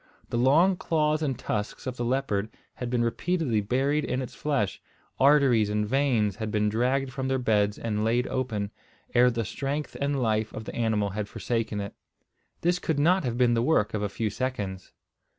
The long claws and tusks of the leopard had been repeatedly buried in its flesh, arteries and veins had been dragged from their beds and laid open, ere the strength and life of the animal had forsaken it. This could not have been the work of a few seconds.